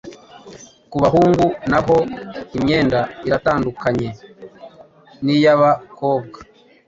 Ku bahungu na ho imyenda iratandukanye n’iy’abakobwa